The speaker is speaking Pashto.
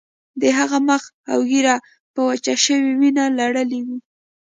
د هغه مخ او ږیره په وچه شوې وینه لړلي وو